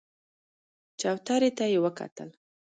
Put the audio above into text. چوترې ته يې وکتل.